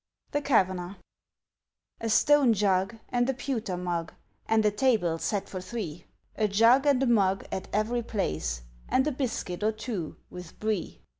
THE KAVANAGH. A stone jug and a pewter mug, And a table set for three! A jug and a mug at every place, And a biscuit or two with Brie!